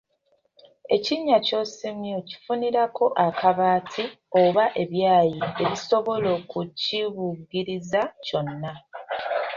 Ekinnya ky'osimye okifunirako akabaati oba ebyayi ebisobola okukibugiriza kyonna.